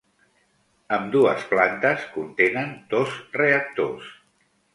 Ambdues plantes contenen dos reactors.